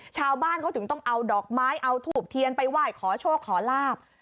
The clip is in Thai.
ชาวบ้านเขาถึงต้องเอาดอกไม้เอาทูบเทียนไปไหว้ขอโชคขอลาบ